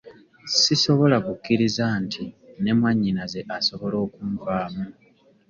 Sisobola kukkiriza nti ne mwannyinaze asobola okunvaamu.